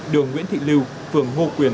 đường nguyễn thị lưu phường hồ quyền